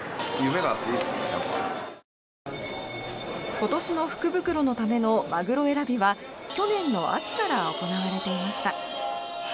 今年の福袋のためのマグロ選びは去年の秋から行われていました。